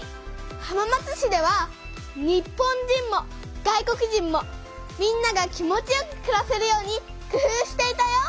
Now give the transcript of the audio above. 浜松市では日本人も外国人もみんなが気持ちよくくらせるようにくふうしていたよ。